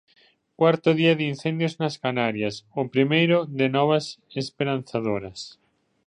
Cuarto día de incendios nas Canarias, o primeiro de novas esperanzadoras.